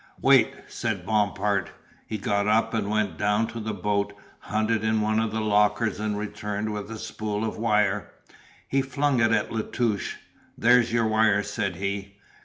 "Wait," said Bompard. He got up and went down to the boat, hunted in one of the lockers and returned with a spool of wire. He flung it at La Touche. "There's your wire," said he.